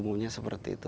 umumnya seperti itu